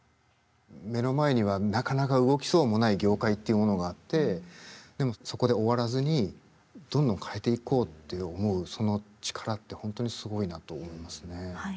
目の前にはなかなか動きそうもない業界っていうものがあってでもそこで終わらずにどんどん変えていこうって思うその力って本当にすごいなと思いますね。